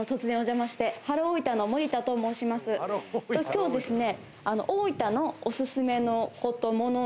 今日ですね。